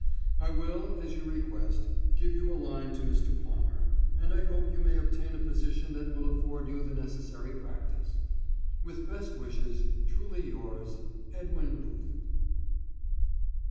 I will, as you request, give you a line to Mr. Palmer, and I hope you may obtain a position that will afford you the necessary practice. With best wishes. Truly yours, EDWIN BOOTH.